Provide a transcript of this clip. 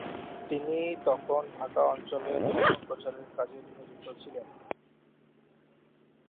তিনি তখন ঢাকা অঞ্চলে ধর্ম প্রচারের কাজে নিয়োজিত ছিলেন।